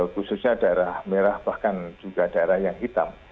khususnya daerah merah bahkan juga daerah yang hitam